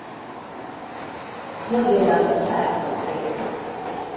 Nodziedāsim pērkona dziesmu.